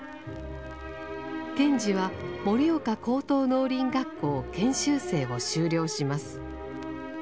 賢治は盛岡高等農林学校研修生を修了します。